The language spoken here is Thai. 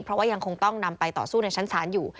เพราะว่ายังคงต้องนำไปต่อสู้ในชั้นศาลอยู่